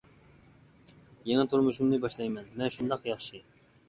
يېڭى تۇرمۇشۇمنى باشلايمەن، مەن شۇنداق ياخشى.